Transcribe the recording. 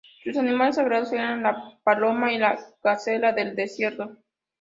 Sus animales sagrados eran la paloma y la gacela del desierto.